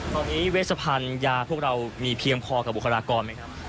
ตอนนี้เวชพันธ์ยาพวกเรามีเพียงพอกับบุคลากรไหมครับ